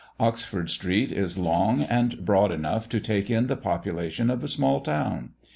Oxford street is long and broad enough to take in the population of a small town.